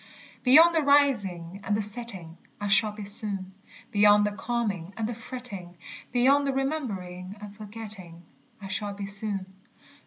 Beyond the rising and the setting I shall be soon; Beyond the calming and the fretting, Beyond remembering and forgetting, I shall be soon.